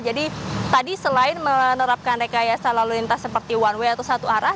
jadi tadi selain menerapkan rekayasa lalu lintas seperti one way atau satu arah